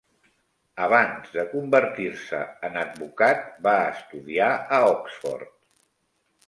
Abans de convertir-se en advocat, va estudiar a Oxford.